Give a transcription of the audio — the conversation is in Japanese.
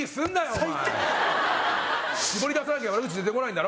お前絞り出さなきゃ悪口出てこないんだろ